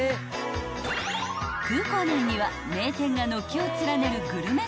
［空港内には名店が軒を連ねる］